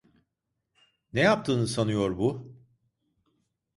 Ne yaptığını sanıyor bu?